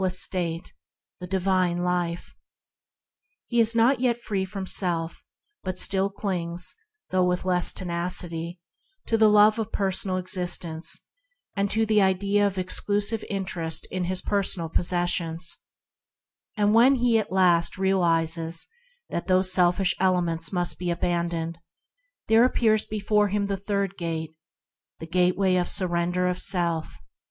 : ut still THE FINDING OF A PRINCIPLE 63 clings, though with less tenacity, to the love of personal existence, and to the idea of exclusive interest in his personal possessions. When he at last realizes that these selfish elements must also be abandoned, there appears before him the third Gate: the Gateway of Surrender of Self.